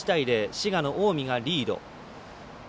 滋賀の近江がリード。